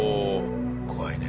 怖いね。